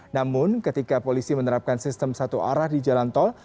namun ketika polisi menerapkan sistem satu arah di jalan tol